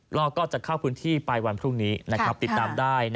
เราก็จะเข้าพื้นที่ไปวันพรุ่งนี้นะครับติดตามได้